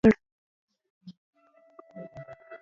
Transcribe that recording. د تیمورشاه ملاتړ تر لاسه نه کړ.